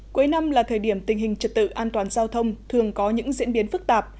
cuối năm là thời điểm tình hình trật tự an toàn giao thông thường có những diễn biến phức tạp